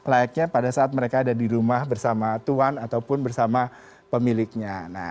layaknya pada saat mereka ada di rumah bersama tuan ataupun bersama pemiliknya